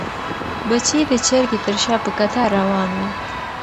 بچي د چرګې تر شا په کتار روان وو.